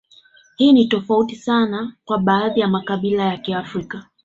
Hii ni tofauti sana na baadhi ya makabila ya Kiafrika